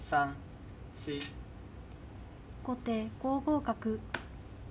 後手５五角。